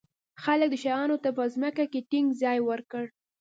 خلک دې شیانو ته په ځمکه کې ټینګ ځای ورکړ.